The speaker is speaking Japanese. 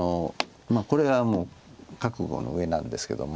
まあこれはもう覚悟のうえなんですけども。